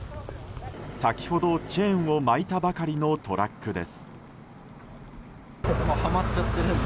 先ほど、チェーンを巻いたばかりのトラックです。